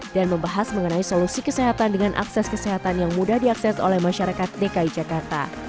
dan membahas mengenai solusi kesehatan dengan akses kesehatan yang mudah diakses oleh masyarakat dki jakarta